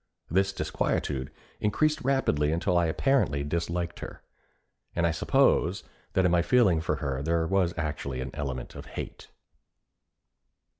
This disquietude increased rapidly until I apparently disliked her; and I suppose that in my feeling for her there was actually an element of hate.